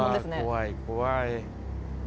怖い怖い。